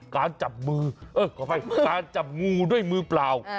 การจับมือขออภัยการจับงูด้วยมือเปล่า